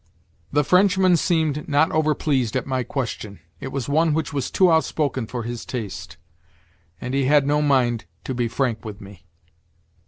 The Frenchman seemed not over pleased at my question. It was one which was too outspoken for his taste—and he had no mind to be frank with me.